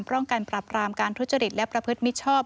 ป้องกันปรับรามการทุจริตและประพฤติมิชชอบ